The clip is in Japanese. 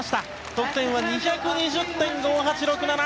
得点は２２０．５８６７！